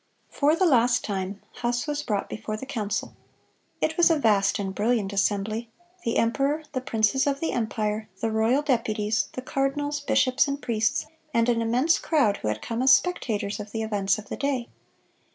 (139) For the last time, Huss was brought before the council. It was a vast and brilliant assembly,—the emperor, the princes of the empire, the royal deputies, the cardinals, bishops, and priests, and an immense crowd who had come as spectators of the events of the day.